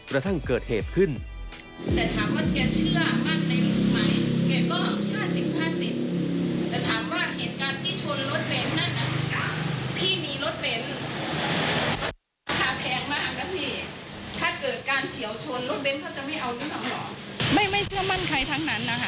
นั่นน่ะพี่มีรถเบนต์ขาแพงมากนะพี่ถ้าเกิดการเฉียวชนรถเบนต์เขาจะไม่เอารึเปล่าหรอไม่ไม่เชื่อมั่นใครทั้งนั้นนะฮะ